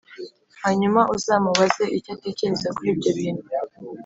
Hanyuma uzamubaze icyo atekereza kuri ibyo bintu